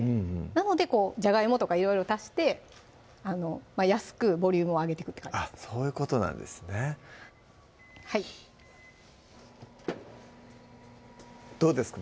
なのでじゃがいもとかいろいろ足して安くボリュームを上げてくって感じあっそういうことなんですねどうですか？